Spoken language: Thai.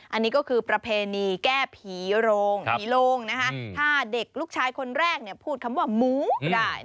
อันนี้ก็คือประเพณีแก้ผีโรงผีโรงถ้าเด็กลูกชายคนแรกพูดคำว่าหมูก็ได้